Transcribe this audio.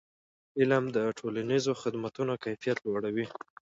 علم د ټولنیزو خدمتونو کیفیت لوړوي.